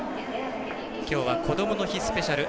きょうは「こどもの日スペシャル」。